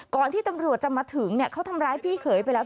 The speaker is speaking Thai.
ที่ตำรวจจะมาถึงเขาทำร้ายพี่เขยไปแล้ว